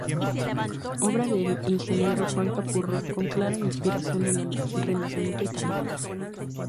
Obra del ingeniero Juan Capurro, con clara inspiración en el Renacimiento italiano.